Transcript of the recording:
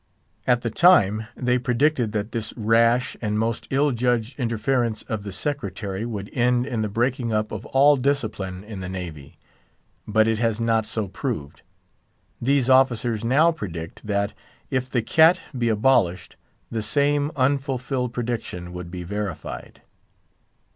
At the time, they predicted that this rash and most ill judged interference of the Secretary would end in the breaking up of all discipline in the Navy. But it has not so proved. These officers now predict that, if the "cat" be abolished, the same unfulfilled prediction would be verified.